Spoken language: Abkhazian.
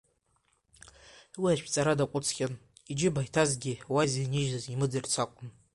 Уи ашәҵара даҟәыҵхьан, иџьыба иҭазгьы уа изынижьыз имыӡырц акәын.